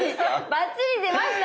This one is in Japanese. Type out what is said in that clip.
バッチリ出ました。